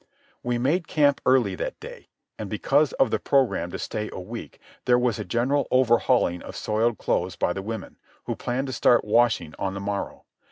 We made camp early that day, and, because of the programme to stay a week, there was a general overhauling of soiled clothes by the women, who planned to start washing on the morrow.